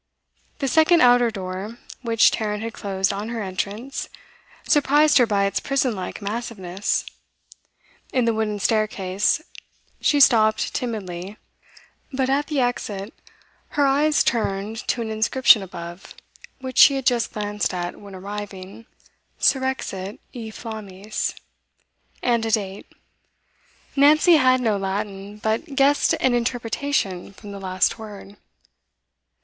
The second outer door, which Tarrant had closed on her entrance, surprised her by its prison like massiveness. In the wooden staircase she stopped timidly, but at the exit her eyes turned to an inscription above, which she had just glanced at when arriving: Surrexit e flammis, and a date. Nancy had no Latin, but guessed an interpretation from the last word.